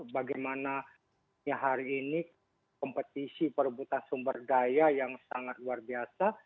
bagaimana hari ini kompetisi perebutan sumber daya yang sangat luar biasa